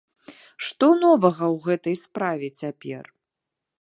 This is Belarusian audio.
Што новага ў гэтай справе цяпер?